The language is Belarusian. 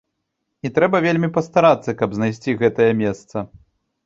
І трэба вельмі пастарацца, каб знайсці гэтае месца.